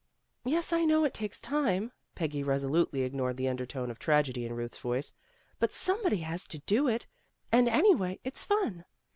1 'Yes, I know it takes time." Peggy reso lutely ignored the undertone of tragedy in Euth's voice. "But somebody has to do it, and anyway, it's fun."